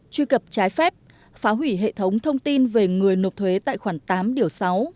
truy cập trái phép phá hủy hệ thống thông tin về người nộp thuế tại khoản tám điều sáu